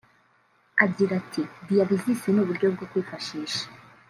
Agira ati “Dialysis ni uburyo bwo kwifashisha